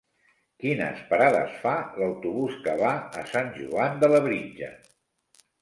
Quines parades fa l'autobús que va a Sant Joan de Labritja?